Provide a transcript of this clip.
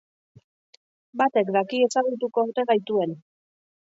Batek daki ezagutuko ote gaituen!